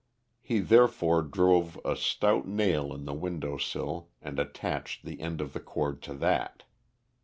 He therefore drove a stout nail in the window sill and attached the end of the cord to that.